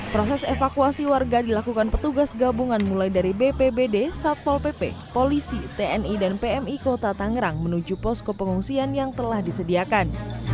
proses evakuasi warga dilakukan petugas gabungan mulai dari bpbd satpol pp polisi tni dan pmi kota tangerang menuju posko pengungsian yang telah disediakan